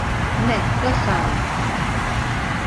Ne, klesáme!